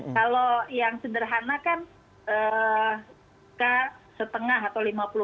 kalau yang sederhana kan setengah atau lima puluh